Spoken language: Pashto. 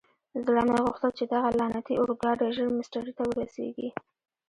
زړه مې غوښتل چې دغه لعنتي اورګاډی ژر مېسترې ته ورسېږي.